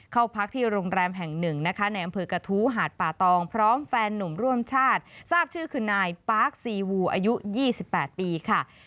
เข้าพักที่โรงแรมแห่งหนึ่งนะคะในอำเภอกระทู้หาดป่าตองพร้อมแฟนหนุ่มร่วมชาติทราบชื่อคือนายปาร์คซีวูอายุ๒๘ปีค่ะ